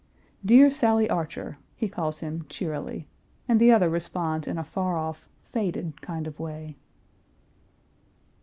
"Dear Sally Archer," he calls him cheerily, and the other responds in a far off, faded kind of way.